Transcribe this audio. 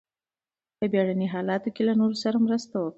په بیړني حالاتو کې له نورو سره مرسته وکړئ.